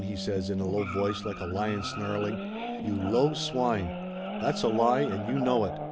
he says in a low voice like a lion snarling. "You low swine! That's a lie and you know it.